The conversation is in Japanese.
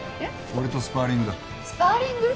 俺とスパーリングだ。